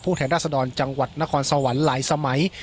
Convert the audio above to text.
แทนราชดรจังหวัดนครสวรรค์หลายสมัย